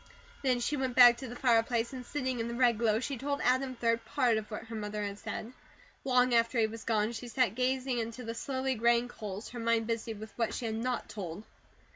Then she went back to the fireplace and sitting in the red glow she told Adam, 3d, PART of what her mother had said. Long after he was gone, she sat gazing into the slowly graying coals, her mind busy with what she had NOT told.